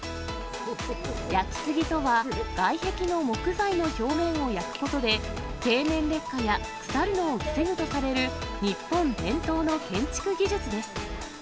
焼杉とは、外壁の木材の表面を焼くことで、経年劣化や腐るのを防ぐとされる、日本伝統の建築技術です。